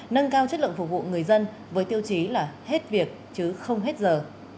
nâng cao chất lượng phục vụ người dân với tiêu chí là hết việc chứ không hết giờ